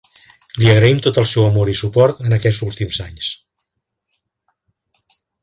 Li agraïm tot el seu amor i suport en aquests últims anys.